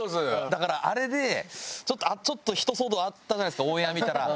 だからあれでちょっとひと騒動あったじゃないですかオンエア見たら。